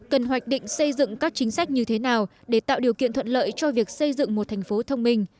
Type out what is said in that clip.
cần hoạch định xây dựng các chính sách như thế nào để tạo điều kiện thuận lợi cho việc xây dựng một thành phố thông minh